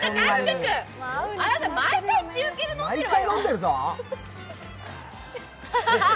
あなた毎回、中継で飲んでるわよ。